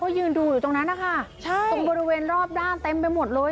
ยืนดูอยู่ตรงนั้นนะคะใช่ตรงบริเวณรอบด้านเต็มไปหมดเลย